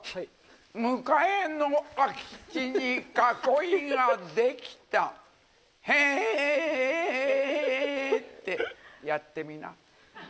向かいの空き地に囲いができたヘ。ってやってみな。